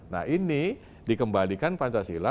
nah ini dikembalikan pancasila